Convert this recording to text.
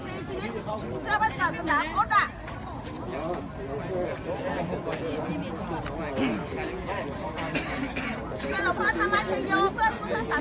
มีผู้ที่ได้รับบาดเจ็บและถูกนำตัวส่งโรงพยาบาลเป็นผู้หญิงวัยกลางคน